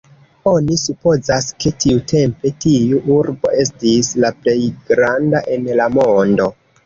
Oni supozas, ke tiutempe tiu urbo estis la plej granda en la mondo.